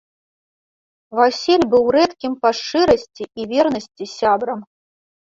Васіль быў рэдкім па шчырасці і вернасці сябрам.